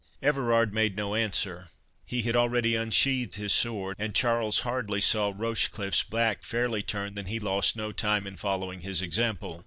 Everard made no answer; he had already unsheathed his sword; and Charles hardly saw Rochecliffe's back fairly turned, than he lost no time in following his example.